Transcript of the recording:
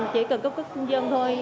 chỉ cần cấp cước công dân thôi